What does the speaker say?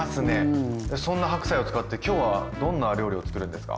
そんな白菜を使って今日はどんな料理をつくるんですか？